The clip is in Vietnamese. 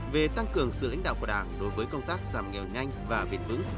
về tăng cường sự lãnh đạo của đảng đối với công tác giảm nghèo nhanh và viện ứng